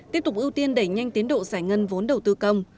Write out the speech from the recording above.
tiếp tục ưu tiên đẩy nhanh tiến độ giải ngân vốn đầu tư công